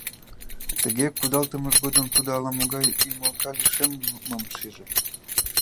Тыге кудалтымыж годым тудо ала-могай ӱмылка лишеммым шиже.